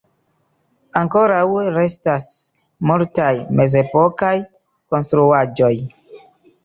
Ankoraŭ restas multaj mezepokaj konstruaĵoj.